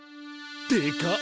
でかっ！